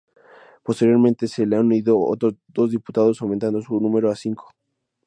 Posteriormente se le han unido otros dos diputados, aumentando su número a cinco.